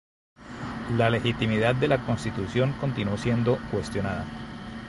La legitimidad de la Constitución continuó siendo cuestionada.